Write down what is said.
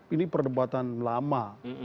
ini perdebatan lama